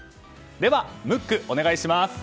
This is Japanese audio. では、ムックお願いします。